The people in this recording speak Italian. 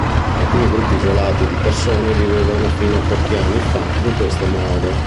Alcuni gruppi isolati di persone vivevano fino a pochi anni fa in questo modo.